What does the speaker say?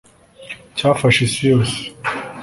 cyafashe isi yose